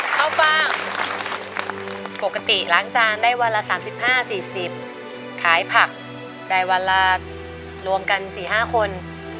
ข้าวฟ่างปกติล้างจานได้วันละ๓๕๔๐ขายผักได้วันละรวมกัน๔๕คน